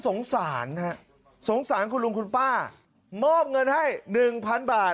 สงสารนะฮะสงสารคุณลุงคุณป้ามอบเงินให้หนึ่งพันบาท